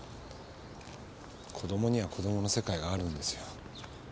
子供には子供の世界があるんですよ。